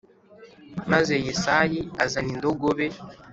Maze Yesayi azana indogobe